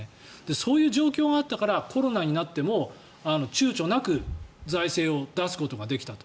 そういう状況があったからコロナになっても躊躇なく財政を出すことができたと。